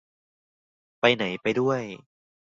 ไปไหน ไปด้วย